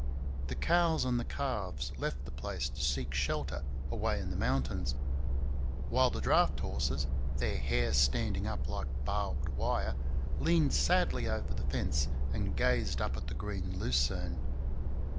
The cows and calves left the place to seek shelter away in the mountains; while the draught horses, their hair standing up like barbed wire, leaned sadly over the fence and gazed up at the green lucerne.